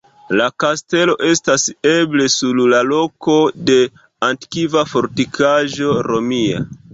La kastelo estas eble sur la loko de antikva fortikaĵo romia.